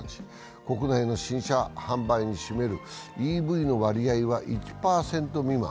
国内の新車販売に占めるＥＶの割合は１％未満。